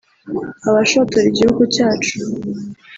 Abashotora igihugu cyacu